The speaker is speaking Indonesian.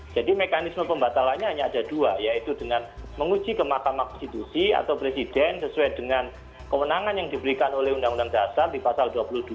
jadi mekanisme pembatalannya hanya ada dua yaitu dengan menguji kemakam konstitusi atau presiden sesuai dengan kemenangan yang diberikan oleh undang undang dasar di pasal dua puluh dua